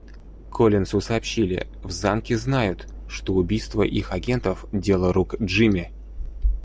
Коллинсу сообщили, в Замке знают, что убийство их агентов дело рук Джимми.